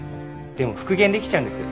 でも復元できちゃうんです。